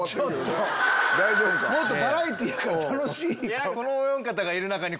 もっとバラエティーやから楽しい顔。